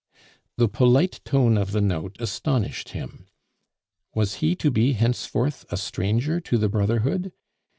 The polite tone of the note astonished him. Was he to be henceforth a stranger to the brotherhood?